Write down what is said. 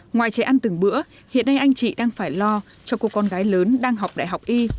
ngoài trẻ ăn từng bữa hiện nay anh chị đang phải lo cho cô con gái lớn đang học đại học y